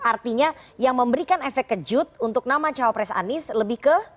artinya yang memberikan efek kejut untuk nama cawapres anies lebih ke